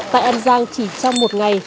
tại an giang chỉ trong một ngày